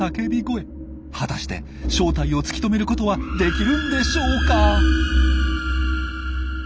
果たして正体を突き止めることはできるんでしょうか？